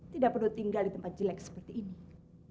tidak perlu tinggal di tempat jelek seperti ini